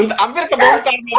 nah hampir kebongkar